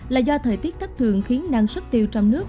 là do thời tiết thất thường khiến năng suất tiêu trong nước